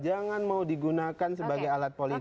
jangan mau digunakan sebagai alat politik